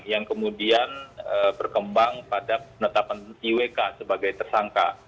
yang kemudian berkembang pada penetapan iwk sebagai tersangka